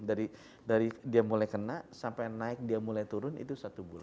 dari dia mulai kena sampai naik dia mulai turun itu satu bulan